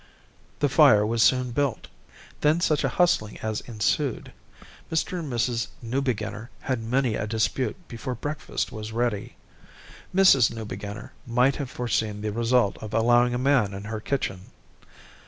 The fire was soon built. Then such a hustling as ensued. Mr. and Mrs. Newbeginner had many a dispute before breakfast was ready. Mrs. Newbeginner might have foreseen the result of allowing a man in her kitchen.